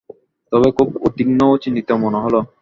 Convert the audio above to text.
তাঁকে খুব উদ্বিগ্ন ও চিন্তিত মনে হলো।